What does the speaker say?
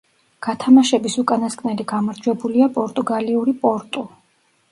გათამაშების უკანასკნელი გამარჯვებულია პორტუგალიური „პორტუ“.